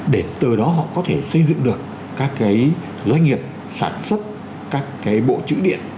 để từ đó họ có thể xây dựng được các cái doanh nghiệp sản xuất các cái bộ chữ điện